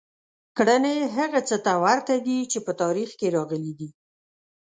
کړنې هغه څه ته ورته دي چې په تاریخ کې راغلي دي.